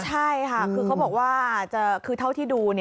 ใช่ค่ะคือเขาบอกว่าคือเท่าที่ดู